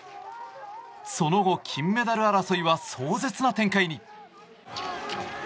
その後、金メダル争いは壮絶な展開に。